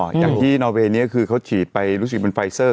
อย่างที่นอเวย์นี้คือเขาฉีดไปรู้สึกเป็นไฟเซอร์